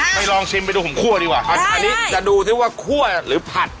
ลองชิมไปดูของคั่วดีกว่าอันนี้จะดูซิว่าคั่วหรือผัด